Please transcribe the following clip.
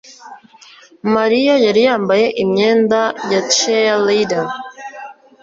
Mariya yari yambaye imyenda ya cheerleader.